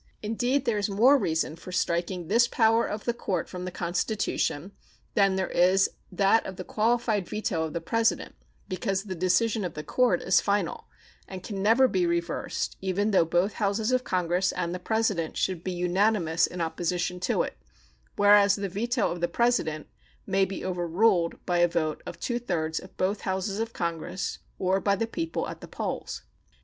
Indeed, there is more reason for striking this power of the court from the Constitution than there is that of the qualified veto of the president, because the decision of the court is final, and can never be reversed even though both Houses of Congress and the President should be unanimous in opposition to it, whereas the veto of the President may be overruled by a vote of two thirds of both Houses of Congress or by the people at the polls.